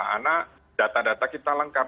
karena data data kita lengkap